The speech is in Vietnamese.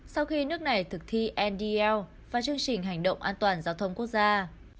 sau khi nước này thực thi nd và chương trình hành động an toàn giao thông quốc gia